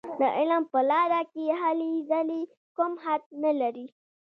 د علم په لاره کې هلې ځلې کوم حد نه لري.